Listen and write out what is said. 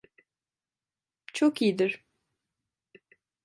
Çok iyidir.